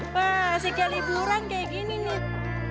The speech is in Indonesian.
wah suka liburan kayak gini nih